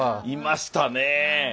いましたね。